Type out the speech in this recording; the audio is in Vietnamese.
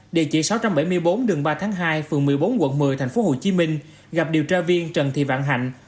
địa chỉ sáu trăm bảy mươi bốn đường ba tháng hai phường một mươi bốn quận một mươi tp hcm gặp điều tra viên trần thị vạn hạnh